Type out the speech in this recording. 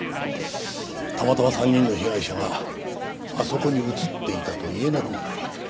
たまたま３人の被害者があそこに写っていたと言えなくもない。